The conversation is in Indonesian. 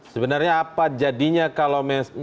sebenarnya apa jadinya kalau